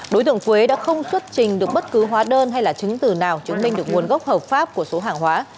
đối tượng quế đã không xuất trình được bất cứ hóa đơn hay là chứng từ nào chứng minh được nguồn gốc hợp pháp của số hàng hóa